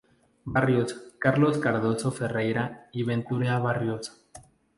Barrios, Carlos Cardozo Ferreira y Ventura Barrios.